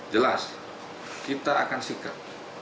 jelas kita akan sikat